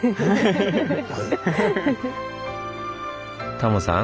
タモさん